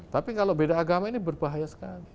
tapi kalau beda agama ini berbahaya sekali